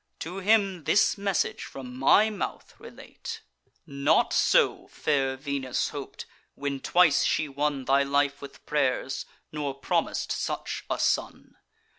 To him this message from my mouth relate: 'Not so fair Venus hop'd, when twice she won Thy life with pray'rs, nor promis'd such a son.